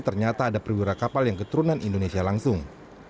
ternyata ada perwira kapal yang keturunan indonesia langsung